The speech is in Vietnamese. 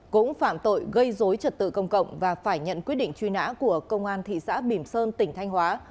cũng phạm tội gây dối trật tự công cộng và phải nhận quyết định truy nã của công an thị xã bìm sơn tỉnh thanh hóa